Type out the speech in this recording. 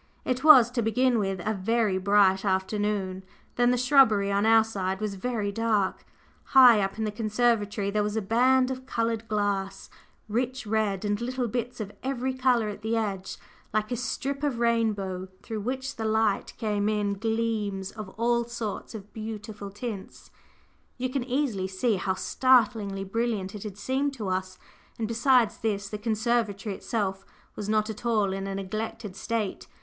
It was, to begin with, a very bright afternoon; then the shrubbery on our side was very dark; high up in the conservatory there was a band of coloured glass, rich red, and little bits of every colour at the edge, like a strip of rainbow, through which the light came in gleams of all sorts of beautiful tints. You can easily see how startlingly brilliant it had seemed to us; and besides this, the conservatory itself was not at all in a neglected state.